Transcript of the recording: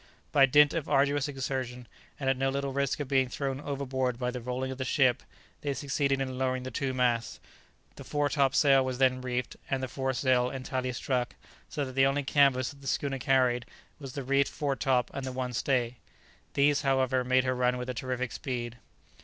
By dint of arduous exertion, and at no little risk of being thrown overboard by the rolling of the ship, they succeeded in lowering the two masts; the fore top sail was then reefed, and the fore sail entirely struck, so that the only canvas that the schooner carried was the reefed fore top and the one stay. These, however, made her run with a terrific speed.